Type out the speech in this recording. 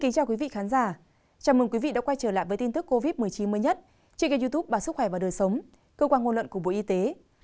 chào mừng quý vị đã quay trở lại với tin tức covid một mươi chín mới nhất trên kênh youtube bà sức khỏe và đời sống cơ quan ngôn luận của bộ y tế